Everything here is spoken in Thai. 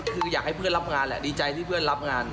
คืออยากให้เพื่อนรับงานแหละดีใจที่เพื่อนรับงาน